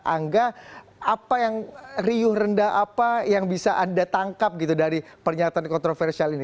angga apa yang riuh rendah apa yang bisa anda tangkap gitu dari pernyataan kontroversial ini